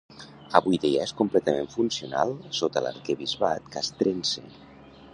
Avui dia és completament funcional sota l'Arquebisbat Castrense.